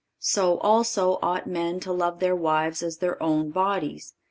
so also ought men to love their wives as their own bodies....